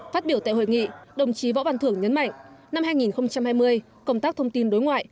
phát biểu tại hội nghị đồng chí võ văn thưởng nhấn mạnh năm hai nghìn hai mươi công tác thông tin đối ngoại